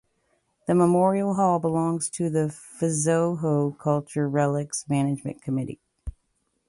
The Memorial Hall belongs to the Fuzhou Cultural Relics Management Committee.